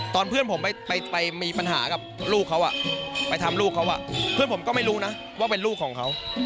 ตอนเพื่อนผมไปมีปัญหากับลูกเขาไปทำลูกเขาเพื่อนผมก็ไม่รู้นะว่าเป็นลูกของเขา